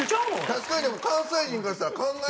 確かにでも関西人からしたら考えられない。